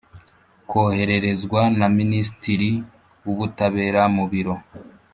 Kohererezwa na Minisitiri w Ubutabera mubiro.